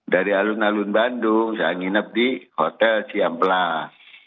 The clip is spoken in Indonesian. dari alun alun bandung saya nginep di hotel siamplas